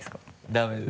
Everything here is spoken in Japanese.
ダメです。